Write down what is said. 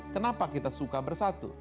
kenapa kita suka bersatu